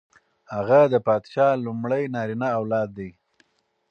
هغه د پادشاه لومړی نارینه اولاد دی.